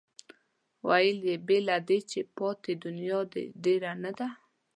ویل یې بې له دې هم پاتې دنیا ده ډېره نه ده.